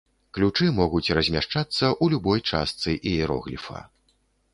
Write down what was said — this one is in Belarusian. Ключы могуць размяшчацца ў любой частцы іерогліфа.